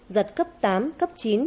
giật cấp tám cấp chín